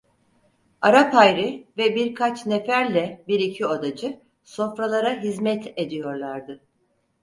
Arap Hayri ve birkaç neferle bir iki odacı sofralara hizmet ediyorlardı.